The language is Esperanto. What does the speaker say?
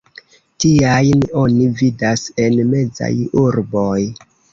Tiajn oni vidas en mezaj urboj.